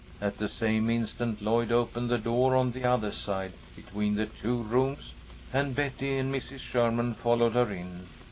At the same instant Lloyd opened the door on the other side, between the two rooms, and Betty and Mrs. Sherman followed her in.